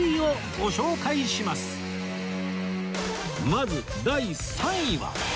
まず第３位は